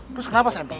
terus kenapa santai